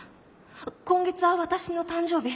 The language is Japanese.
今月は私の誕生日。